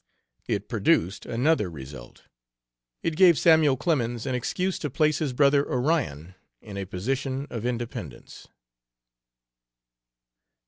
It produced another result; it gave Samuel Clemens an excuse to place his brother Onion in a position of independence.